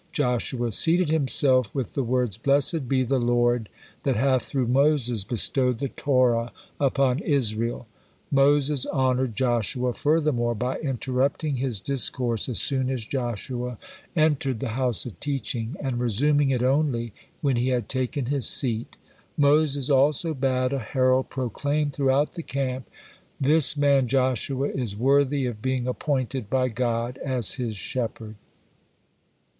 Joshua seated himself with the words, "Blessed be the Lord that hath through Moses bestowed the Torah upon Israel." Moses honored Joshua furthermore by interrupting his discourse as soon as Joshua enter the house of teaching, and resuming it only when he had taken his seat. Moses also bade a herald proclaim throughout the camp, "This man Joshua is worthy of being appointed by God as His shepherd."